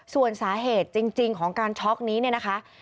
ส่วนสาเหตุจริงของการช็อกนี้เนี่ยนะคะ